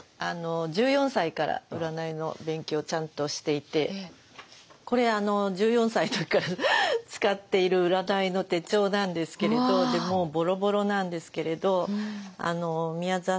あの１４歳から占いの勉強をちゃんとしていてこれあの１４歳の時から使っている占いの手帳なんですけれどもうボロボロなんですけれど。